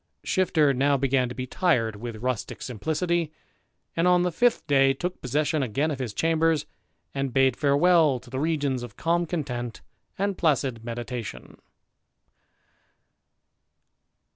Shifter now began to be tired with rustick simplicity, and on the fifth day took possession again of his chambers, and bade farewel to the regions of calm content and placid, meditation.